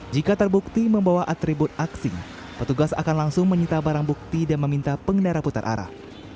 jika terbukti membawa atribut aksi petugas akan langsung menyita barang bukti dan meminta pengendara putar arah